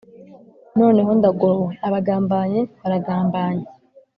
Noneho ndagowe!» Abagambanyi baragambanye!